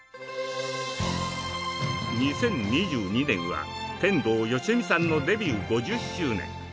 ２０２２年は天童よしみさんのデビュー５０周年。